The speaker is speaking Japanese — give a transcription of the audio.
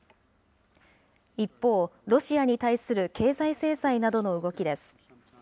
一方、ロシアに対する経済制裁などの動きです。